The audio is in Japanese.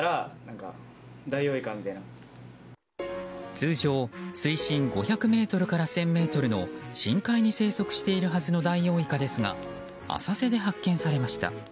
通常、水深５００ｍから１０００ｍの深海に生息しているはずのダイオウイカですが浅瀬で発見されました。